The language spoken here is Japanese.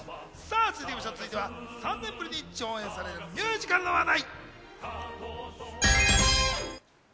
続いては３年ぶりに上演されるミュージカルの話題。